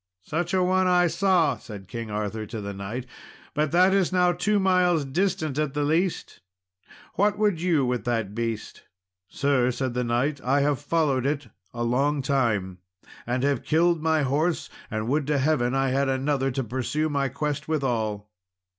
"Such a one I saw," said King Arthur to the knight, "but that is now two miles distant at the least. What would you with that beast?" "Sir," said the knight, "I have followed it for a long time, and have killed my horse, and would to heaven I had another to pursue my quest withal."